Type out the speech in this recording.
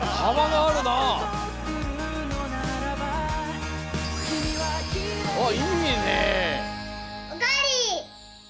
あいいね。おかわり！